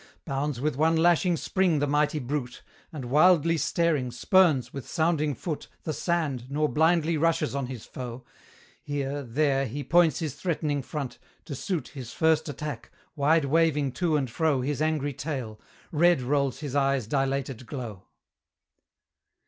Bounds with one lashing spring the mighty brute, And wildly staring, spurns, with sounding foot, The sand, nor blindly rushes on his foe: Here, there, he points his threatening front, to suit His first attack, wide waving to and fro His angry tail; red rolls his eye's dilated glow.